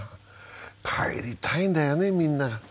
帰りたいんだよね、みんな。